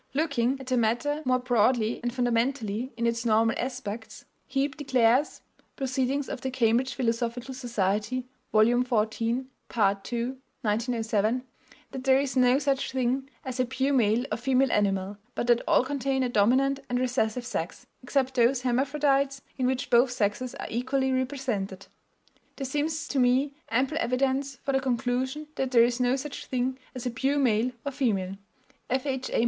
Looking at the matter more broadly and fundamentally in its normal aspects, Heape declares (Proceedings of the Cambridge Philosophical Society, vol. xiv, part ii, 1907) that "there is no such thing as a pure male or female animal, but that all contain a dominant and recessive sex, except those hermaphrodites in which both sexes are equally represented.... There seems to me ample evidence for the conclusion that there is no such thing as a pure male or female." F.H.A.